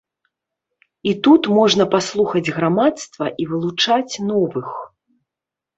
І тут можна паслухаць грамадства і вылучаць новых.